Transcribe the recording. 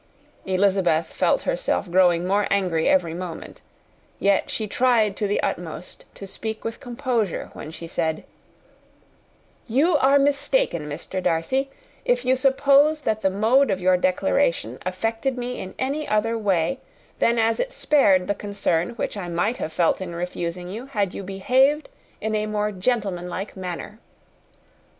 Elizabeth felt herself growing more angry every moment; yet she tried to the utmost to speak with composure when she said, "You are mistaken, Mr. Darcy, if you suppose that the mode of your declaration affected me in any other way than as it spared me the concern which I might have felt in refusing you, had you behaved in a more gentlemanlike manner."